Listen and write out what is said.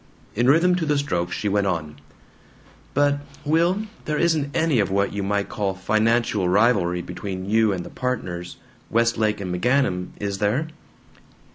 In rhythm to the strokes she went on: "But, Will, there isn't any of what you might call financial rivalry between you and the partners Westlake and McGanum is there?"